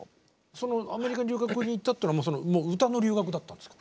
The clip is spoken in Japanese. そのアメリカに留学に行ったというのは歌の留学だったんですか？